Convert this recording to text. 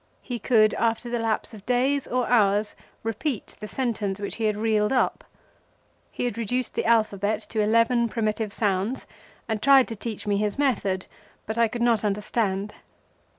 He could, after the lapse of days or hours, repeat the sentence which he had reeled up. He had reduced the alphabet to eleven primitive sounds; and tried to teach me his method, but failed.